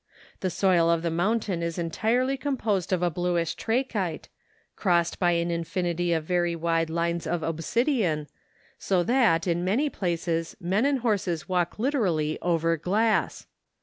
The soil of the mountain is entirely composed of a bluish trachyte, crossed by an infinity of very wide lines of obsidian, so that, in many places, men and horses walk literally over glass.